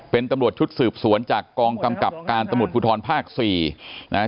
เป็นตำรวจชุดสืบสวนจากกองกำกับการตำรวจภูทรภาคสี่นะฮะ